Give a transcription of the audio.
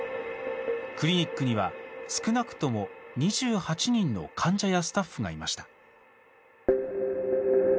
クリニックには少なくとも２８人の患者やスタッフがいました。